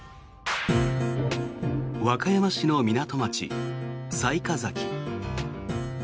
和歌山市の港町、雑賀崎。